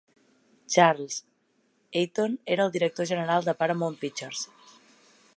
Charles Eyton era el director general de Paramount Pictures.